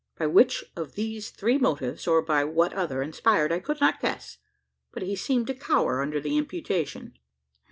By which of of these three motives, or by what other inspired, I could not guess; but he seemed to cower under the imputation.